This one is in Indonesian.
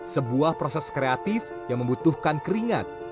sebuah proses kreatif yang membutuhkan keringat